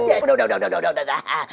aduh aduh udah udah udah